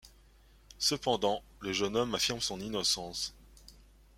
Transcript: Cependant, le jeune homme affirme son innocence.